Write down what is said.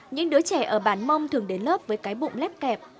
những đứa trẻ ở bàn mông thường đến lớp với cái bụng lép kẹp